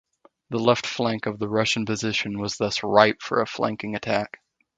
The left flank of the Russian position was thus ripe for a flanking attack.